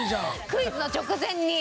クイズの直前に。